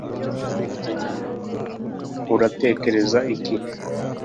uratekereza iki